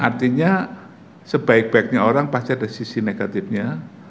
artinya sebaik baiknya orang pasti ada sisi negatifnya